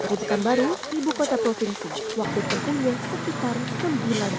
berhubungan baru di bukota provinsi waktu tempunya sekitar sembilan jam